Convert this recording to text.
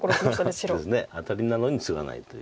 アタリなのにツガないという。